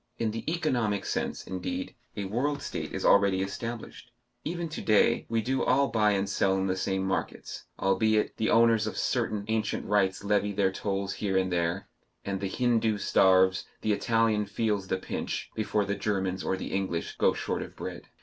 In the economic sense, indeed, a world state is already established. Even to day we do all buy and sell in the same markets albeit the owners of certain ancient rights levy their tolls here and there and the Hindoo starves, the Italian feels the pinch, before the Germans or the English go short of bread.